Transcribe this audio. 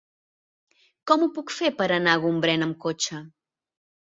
Com ho puc fer per anar a Gombrèn amb cotxe?